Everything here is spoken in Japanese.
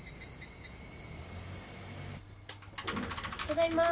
ただいま。